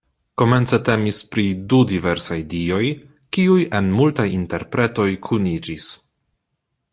Komence temis pri du diversaj dioj, kiuj en multaj interpretoj kuniĝis.